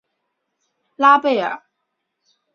贝拉尔。